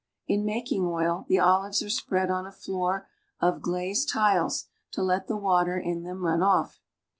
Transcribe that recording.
In making oil, the olives are spread on a floor of glazed tiles to let the water in them run off.